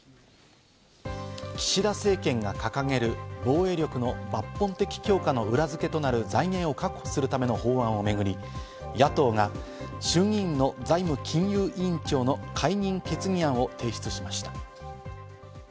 岸田政権が掲げる防衛力の抜本的強化の裏付けとなる財源を確保するための法案をめぐり、野党が衆議院の財務金融委員長の解任決議案を提出しました。